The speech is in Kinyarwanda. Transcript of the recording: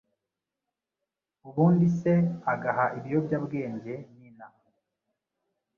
ubundi se agaha ibiyobyabwenge nyina,